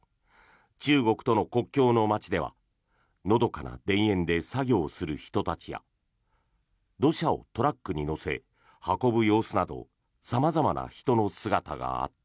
中国との国境の街ではのどかな田園で作業する人たちや土砂をトラックに乗せ運ぶ様子など様々な人の姿があった。